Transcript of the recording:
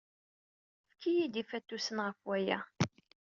Efk-iyi-d ifatusen ɣef waya.